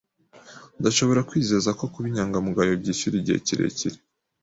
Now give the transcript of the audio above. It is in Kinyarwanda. Ndashobora kwizeza ko kuba inyangamugayo byishyura igihe kirekire.